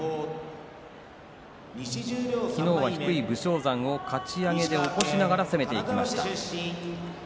昨日は低い武将山をかち上げで起こしながら攻めていきました。